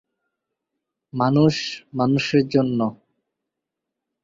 বেগম হজরত মহলের কবর কাঠমান্ডুর কেন্দ্রে জামে মসজিদের নিকটে অবস্থিত।